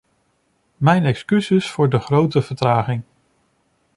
Mijn excuses voor de grote vertraging.